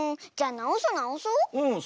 なおそうなおそう。